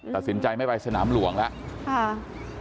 ตัดสินใจไม่ไปสนามหลวงแล้ว